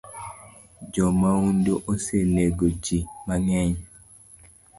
Jo maundu osenego jii mangeny